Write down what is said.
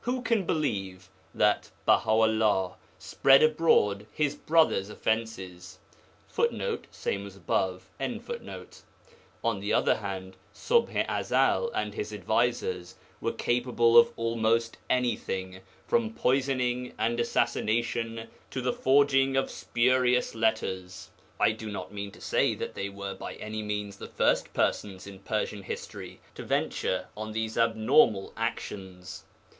Who can believe that Baha 'ullah spread abroad his brother's offences? [Footnote: Ibid.] On the other hand, Ṣubḥ i Ezel and his advisers were capable of almost anything from poisoning and assassination to the forging of spurious letters. I do not mean to say that they were by any means the first persons in Persian history to venture on these abnormal actions.